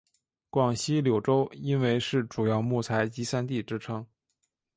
广西柳州因为是主要木材集散地之称。